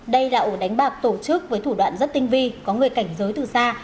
đây là ổ đánh bạc tổ chức với thủ đoạn rất tinh vi có người cảnh giới từ xa